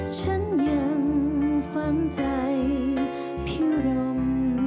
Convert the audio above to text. ฉันยังฟังใจพี่รม